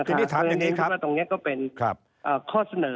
เพราะฉะนั้นตรงนี้ก็เป็นข้อเสนอ